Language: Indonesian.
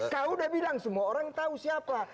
kau udah bilang semua orang tahu siapa